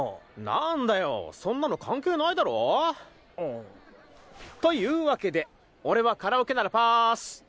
なんだよそんなの関係ないだろ。というわけで俺はカラオケならパース。